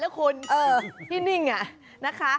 เออกับพี่นิงอ่ะนะคะ